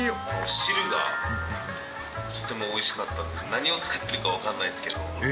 汁がとてもおいしかったんで、何を使ってるか分かんないんですけど。